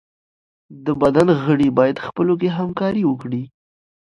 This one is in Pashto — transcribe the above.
د بدن غړي بايد خپلو کي همکاري وکړي.